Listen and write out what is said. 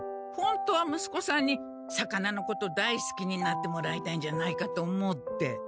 ほんとは息子さんに魚のこと大すきになってもらいたいんじゃないかと思って。